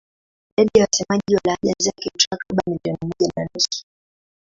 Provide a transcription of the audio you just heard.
Idadi ya wasemaji wa lahaja zake ni takriban milioni moja na nusu.